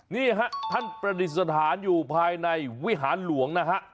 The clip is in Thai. นี่ฮะท่านประดิษฐานอยู่ภายในวิหารหลวงนะฮะ